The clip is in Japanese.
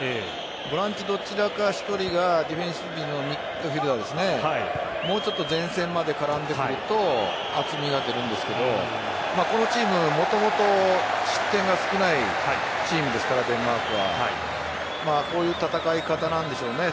ボランチ、どちらか１人がディフェンディングのミッドフィールダーがもうちょっと前線まで絡んでくると厚みが出るんですがこのチームもともと失点が少ないチームですからこういう戦い方なんでしょうね。